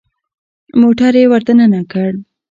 موټر يې ور دننه کړ.